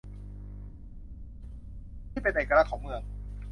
ที่เป็นเอกลักษณ์ของเมือง